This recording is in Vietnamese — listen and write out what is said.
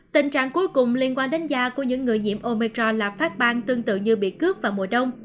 tình trạng cuối cùng liên quan đến da của những người nhiễm omicron là phát ban tương tự như bị cước vào mùa đông